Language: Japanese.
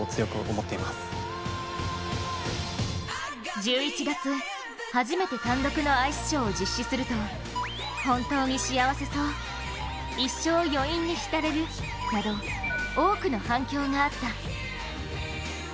１１月、初めて単独のアイスショーを実施すると本当に幸せそう、一生余韻に浸れるなど、多くの反響があった。